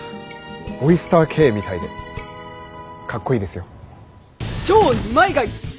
オイスターＫみたいでかっこいいですよ。